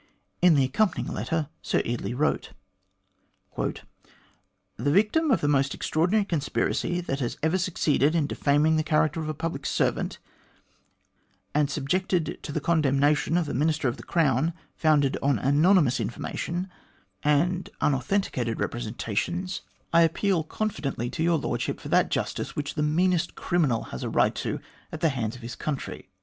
In the accompanying letter, Sir Eardley wrote : "The victim of the most extraordinary conspiracy that ever succeeded in defaming the character of a public servant, and subjected to the condemnation of a Minister of the Crown, founded on anonymous information and unauthenticated repre 158 THE GLADSTONE COLONY sentations, I appeal confidently to your Lordship for that justice which the meanest criminal has a right to at the hands of his country.